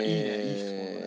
いい質問だね。